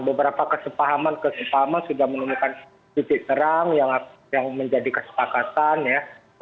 beberapa kesepahaman kesepahaman sudah menemukan titik terang yang menjadi kesepakatan ya